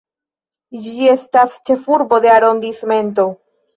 Ĝi estas ĉefurbo de arondismento.